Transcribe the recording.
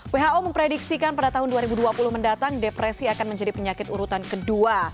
who memprediksikan pada tahun dua ribu dua puluh mendatang depresi akan menjadi penyakit urutan kedua